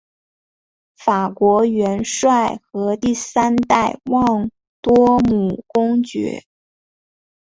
法国元帅和第三代旺多姆公爵。